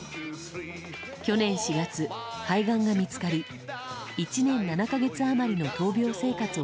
去年４月、肺がんが見つかり１年７か月余りの闘病生活を